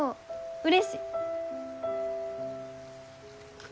うれしい。